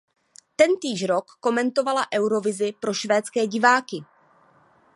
Tentýž rok komentovala Eurovizi pro švédské diváky.